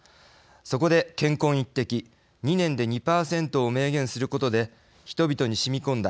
そこで乾坤一擲２年で２％を明言することで人々にしみこんだ